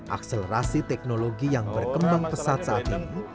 akselerasi teknologi yang berkembang pesat saat ini